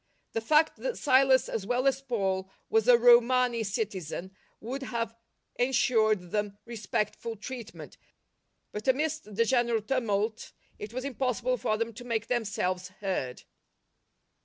The fact that Silas as well as Paul was a Romani citizen would have ensured them respectful treatment, but amidst the general tumult it was impossible for them to make themselves heard.